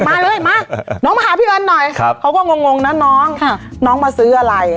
มาเลยมาน้องมาหาพี่บอลหน่อยเขาก็งงนะน้องน้องมาซื้ออะไร